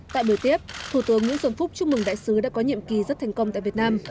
tại buổi tiếp thủ tướng nguyễn xuân phúc chúc mừng đại sứ đã có nhiệm kỳ rất thành công tại việt nam